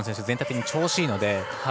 全体的に調子いいので。